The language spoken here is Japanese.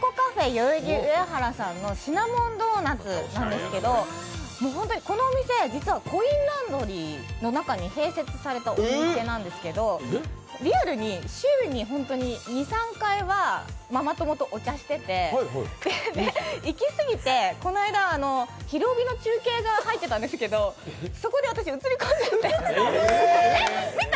代々木上原さんのシナモンドーナツなんですけど本当に、このお店、実はコインランドリーの中に併設されたお店なんですけど、リアルに週に２３回はママ友とお茶しててで、行き過ぎてこの間「ひるおび」の中継が入ってたんですけどそこで私、映り込んじゃって見た？